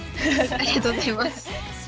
ありがとうございます。